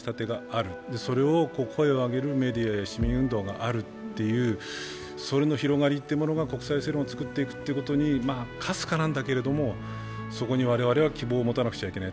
それを声を上げるメディアや市民運動があるっていう広がりっていうものが国際世論を作っていくことにかすかなんだけれどもそこに我々は希望を持たなくちゃいけない。